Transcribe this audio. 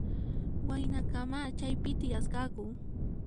Waynakama chaypi tiyasqaku.